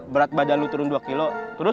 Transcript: berat badan lo turun dua kilo terus